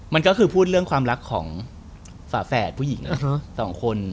มันก็คือพูดเรื่องความรักของฝาแฝดผู้หญิงสองคน